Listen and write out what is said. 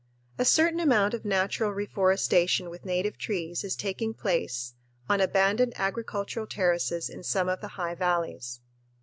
A certain amount of natural reforestation with native trees is taking place on abandoned agricultural terraces in some of the high valleys.